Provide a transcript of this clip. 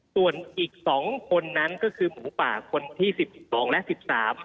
ส่วนอีก๒คนนั้นก็คือหมูป่าคนที่๑๒และ๑๓